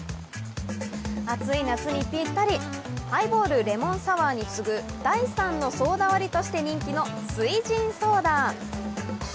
暑い夏にぴったり、ハイボール、レモンサワーに次ぐ第３のソーダ割りとして人気の翠ジンソーダ。